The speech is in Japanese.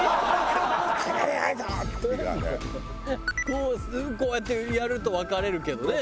こうこうやってやると分かれるけどね。